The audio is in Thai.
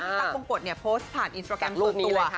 พี่ตั๊กโบงกดเนี่ยโพสท์ผ่านอินสตราแกรมของตัว